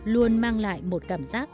luôn mang lại một cảm giác